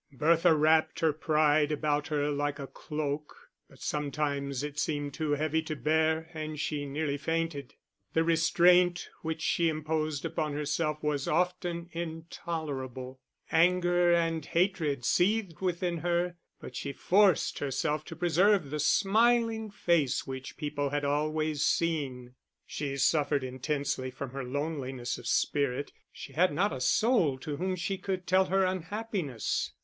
Bertha wrapped her pride about her like a cloak, but sometimes it seemed too heavy to bear and she nearly fainted. The restraint which she imposed upon herself was often intolerable; anger and hatred seethed within her, but she forced herself to preserve the smiling face which people had always seen. She suffered intensely from her loneliness of spirit, she had not a soul to whom she could tell her unhappiness.